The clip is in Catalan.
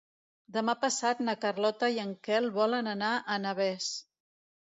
Demà passat na Carlota i en Quel volen anar a Navès.